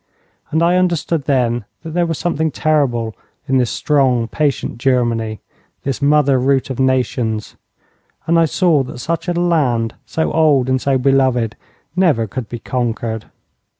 And I understood then that there was something terrible in this strong, patient Germany this mother root of nations and I saw that such a land, so old and so beloved, never could be conquered.